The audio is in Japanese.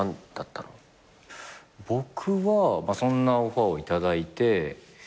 僕はそんなオファーを頂いて。